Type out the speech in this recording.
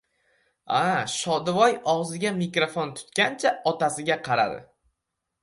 — A? — Shodivoy og‘ziga mikrofon tutgancha otasiga qaradi.